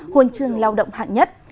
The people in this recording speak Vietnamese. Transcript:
huồn trường lao động hạn nhất